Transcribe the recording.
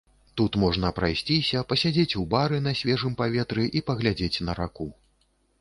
Тут можна прайсціся, пасядзець у бары на свежым паветры і паглядзець на раку.